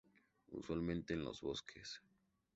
Usualmente en los bosques.